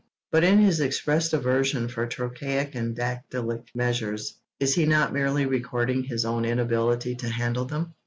But, in his expressed aversion for trochaic and dactylic measures, is he not merely recording his own inability to handle them?